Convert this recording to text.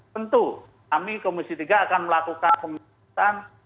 tentu kami komisi tiga akan melakukan pemeriksaan